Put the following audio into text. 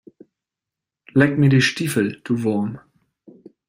Leck mir die Stiefel, du Wurm!